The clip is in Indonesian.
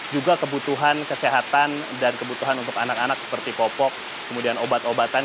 juga kebutuhan kesehatan dan kebutuhan untuk anak anak seperti popok kemudian obat obatan